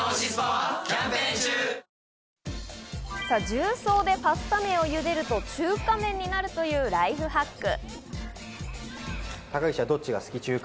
重曹でパスタ麺をゆでると中華麺になるというライフハック。